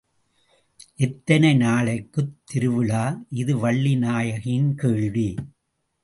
எத்தனை நாளைக்குத் திருவிழா? இது வள்ளி நாயகியின் கேள்வி.